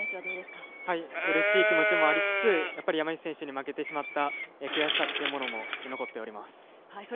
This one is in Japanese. うれしい気持ちもありつつ、山西選手に負けてしまった悔しさっていうものも残っております。